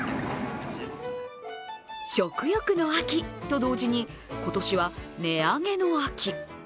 食欲の秋、と同時に今年は値上げの秋。